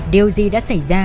điều gì đã xảy ra